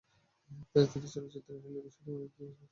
তিনি চলচ্চিত্র, television, radio এবং ওয়েব চারটি মাধ্যমে কাজ করেছেন।